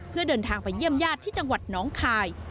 เพื่อเดินทางไปเยี่ยมญาติที่จังหวัดน้องคาย